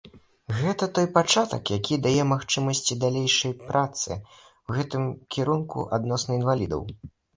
Гэта той пачатак, які дае магчымасці далейшай працы ў гэтым кірунку адносна інвалідаў.